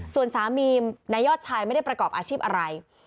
ส่วนสามีนายยอดชายไม่ได้ประกอบอาชีพอะไร